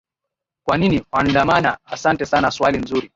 kwa nini uandamana asante sana swali nzuri